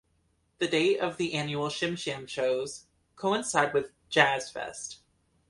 The dates of the annual Shim Sham shows coincide with Jazz Fest.